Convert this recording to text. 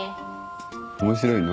面白いの？